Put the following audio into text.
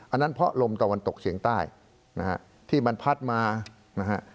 อันนั้นเพราะลมตะวันตกเฉียงใต้นะฮะที่มันพัดมานะฮะ